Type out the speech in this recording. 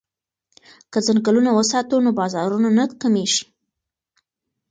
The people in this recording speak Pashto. که ځنګلونه وساتو نو بارانونه نه کمیږي.